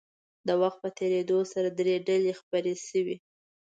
د وخت په تېرېدو سره درې ډلې خپرې شوې.